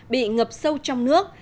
bị ngập sâu trong nước